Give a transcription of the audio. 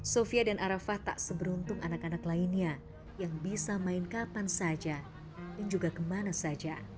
sofia dan arafah tak seberuntung anak anak lainnya yang bisa main kapan saja dan juga kemana saja